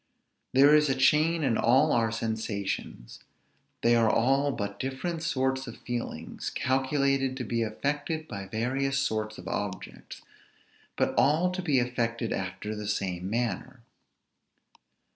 There is a chain in all our sensations; they are all but different sorts of feelings calculated to be affected by various sorts of objects, but all to be affected after the same manner.